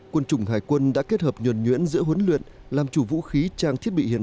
quân chủng hải quân đã kết hợp nhuẩn nhuyễn giữa huấn luyện làm chủ vũ khí trang thiết bị hiện